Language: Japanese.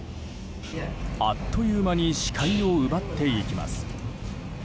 あっという間に視界を奪っていきます。